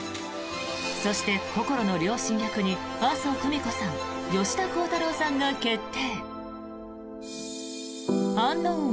そして、こころの両親役に麻生久美子さん吉田鋼太郎さんが決定！